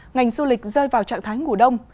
ngành du lịch rơi vào trạng thái ngủ đông